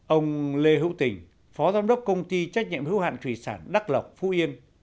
ông lê hữu tình phó giám đốc công ty trách nhiệm hữu hạn thủy sản đắc lộc phú yên